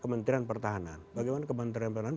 kementerian pertahanan bagaimana kementerian pertahanan